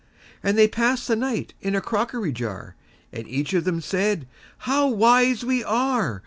And they pass'd the night in a crockery jar; And each of them said, "How wise we are!